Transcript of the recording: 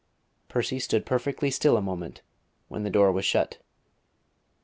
Percy stood perfectly still a moment when the door was shut.